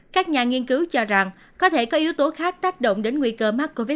các nhà nghiên cứu cho rằng có thể có yếu tố khác tác động đến nguy cơ mắc covid một mươi